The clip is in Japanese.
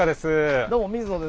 どうも水野です。